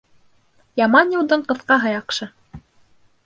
Яман юлдың ҡыҫҡаһы яҡшы.